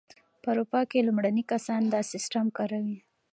په اروپا کې لومړني کسان دا سیسټم کاروي.